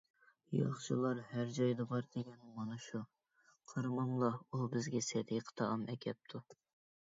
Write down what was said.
ياخشىلار ھەر جايدا بار، دېگەن مانا شۇ، قارىماملا، ئۇ بىزگە سەدىقە تائام ئەكەپتۇ!